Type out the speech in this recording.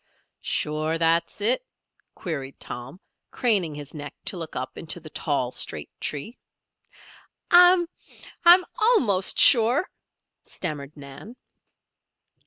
"Sure that's it?" queried Tom, craning his neck to look up into the tall, straight tree. "I, I'm almost sure," stammered Nan.